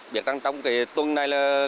biệt rằng trong tuần này